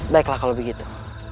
baiklah kalau begitu